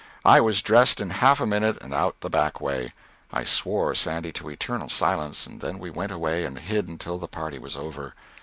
I was dressed in half a minute, and out the back way. I swore Sandy to eternal silence, then we went away and hid until the party was over.